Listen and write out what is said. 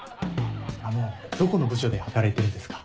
あのどこの部署で働いてるんですか？